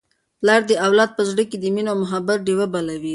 پلار د اولاد په زړه کي د مینې او محبت ډېوې بلوي.